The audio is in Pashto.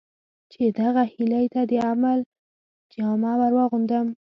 چې دغه هیلې ته د عمل جامه ور واغوندم.